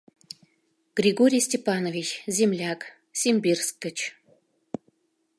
Григорий Степанович — земляк, Симбирск гыч.